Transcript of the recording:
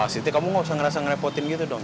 siti kamu gak usah ngerasa ngerepotin gitu dong